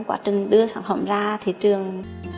quá trình đưa sản phẩm ra thị trường